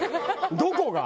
どこが？